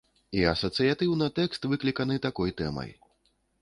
І асацыятыўна тэкст выкліканы такой тэмай.